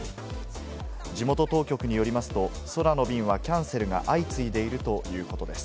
地元当局によりますと、空の便はキャンセルが相次いでいるということです。